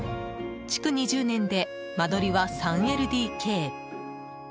築２０年で間取りは３ＬＤＫ。